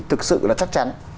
thực sự là chắc chắn